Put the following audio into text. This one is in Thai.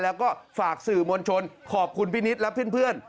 แล้วก็ฝากสื่อมวลชนขอบคุณพี่นิดและเพื่อน